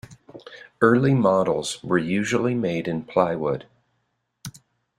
Early models were usually made in plywood.